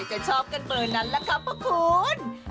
จะชอบกันเบอร์นั้นล่ะครับพระคุณ